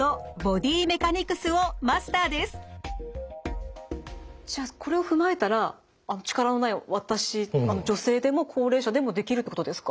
見事じゃあこれを踏まえたら力のない私女性でも高齢者でもできるってことですか？